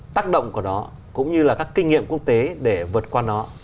tác động của nó cũng như là các kinh nghiệm quốc tế để vượt qua nó